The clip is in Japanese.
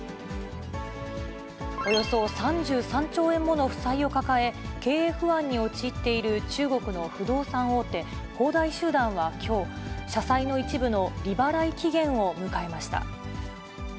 およそ３３兆円もの負債を抱え、経営不安に陥っている中国の不動産大手、恒大集団はきょう、社債の一部の利払い期限を迎えました。